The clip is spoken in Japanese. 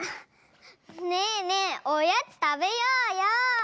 ねえねえおやつたべようよ！